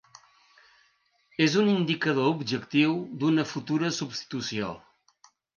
És un indicador objectiu d'una futura substitució.